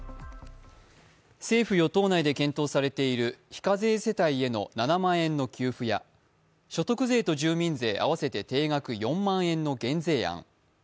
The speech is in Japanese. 政府・与党内で検討されている非課税世帯への７万円の給付や所得税と住民税合わせて定額４万円の減税案。